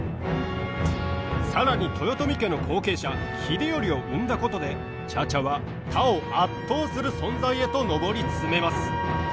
更に豊臣家の後継者秀頼を生んだことで茶々は他を圧倒する存在へと上り詰めます。